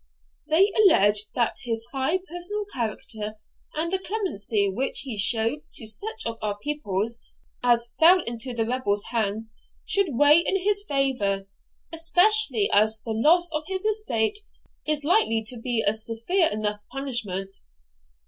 They allege that his high personal character, and the clemency which he showed to such of our people as fell into the rebels' hands, should weigh in his favour, especially as the loss of his estate is likely to be a severe enough punishment.